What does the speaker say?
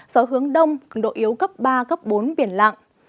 gió hướng đông cường độ yếu cấp ba cấp bốn biển lặng